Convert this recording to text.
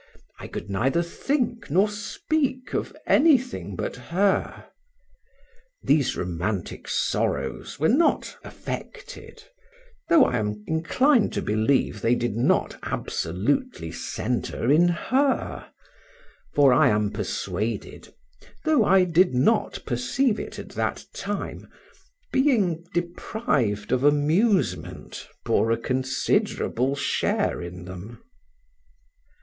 I could neither think nor speak of anything but her. These romantic sorrows were not affected, though I am inclined to believe they did not absolutely centre in her, for I am persuaded (though I did not perceive it at that time) being deprived of amusement bore a considerable share in them.